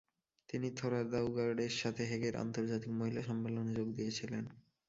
তিনি থোরা দাউগার্ডের সাথে হেগের আন্তর্জাতিক মহিলা সম্মেলনে যোগ দিয়েছিলেন।